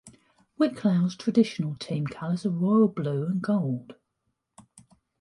Wicklow's traditional team colours are royal blue and gold.